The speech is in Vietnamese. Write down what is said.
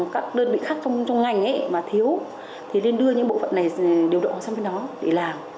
các đơn vị khác trong ngành mà thiếu thì nên đưa những bộ phận này điều động sang bên đó để làm